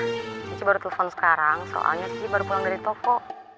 aa maaf ya cici baru telepon sekarang soalnya cici baru pulang dari toko